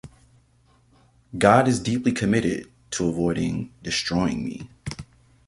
God is deeply committed to avoiding destroying me